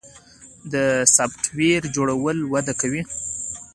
د سافټویر جوړول وده کوي